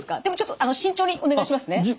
でもちょっと慎重にお願いしますね。